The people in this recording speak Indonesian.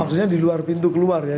maksudnya diluar pintu keluar ya